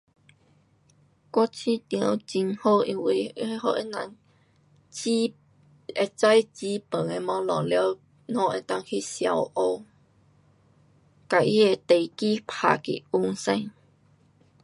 我觉得很好因为它会给他人基，会知基本的东西，了我们能够去小学，给他的地基打稳先。